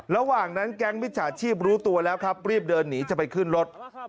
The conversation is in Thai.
ระหว่างนั้นแก๊งมิจฉาชีพรู้ตัวแล้วครับรีบเดินหนีจะไปขึ้นรถ